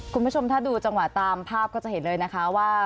คุณผู้ชมถ้าดูจังหวะตามภาพก็จะเห็นเลยนะคะว่า